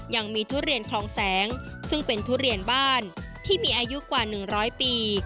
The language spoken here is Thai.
ยังมีทุเรียนคลองแสงซึ่งเป็นทุเรียนบ้านที่มีอายุกว่า๑๐๐ปี